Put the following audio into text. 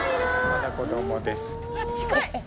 まだ子どもです。